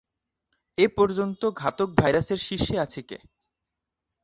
এ পর্যন্ত ঘাতক ভাইরাসের শীর্ষে আছে কে?